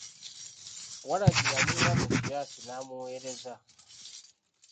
Waragi yamuyiwa mu girasi n'amuweereza.